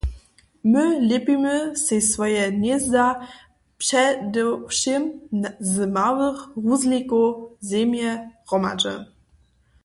My lěpimy sej swoje hnězda předewšěm z małych hruzlikow zemje hromadźe.